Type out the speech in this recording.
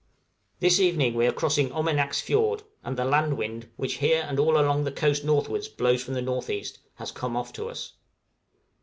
This evening we are crossing Omenak's Fiord, and the land wind, which here and all along the coast northwards blows from the N.E., has come off to us.